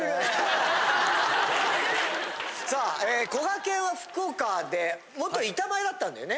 さあこがけんは福岡で元板前だったんだよね？